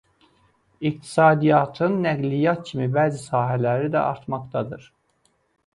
İqtisadiyyatın nəqliyyat kimi bəzi sahələri də artmaqdadır.